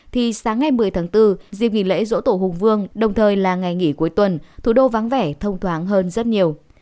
thì sáng ngày một mươi tháng bốn dịp nghỉ lễ dỗ tổ hùng vương đồng thời là ngày nghỉ cuối tuần thủ đô vắng vẻ thông thoáng hơn rất nhiều